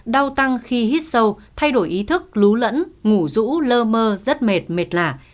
đau tăng khi hít sâu thay đổi ý thức lú lẫn ngủ rũ lơ mơ rất mệt mệt lả